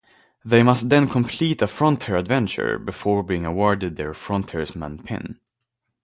They must then complete a Frontier Adventure before being awarded their Frontiersman Pin.